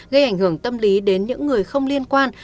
gây ảnh hưởng tâm lý đến những người không liên quan